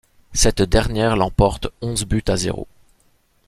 Cette dernière l'emporte onze buts à zéro.